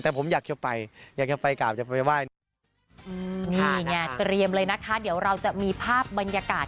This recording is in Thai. ตรีมเลยนะคะเดี๋ยวเราจะมีภาพบรรยากาศ